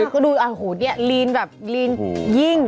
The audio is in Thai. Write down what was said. ก็ดูอ่ะนี่ลีนแบบลีนยิ่ง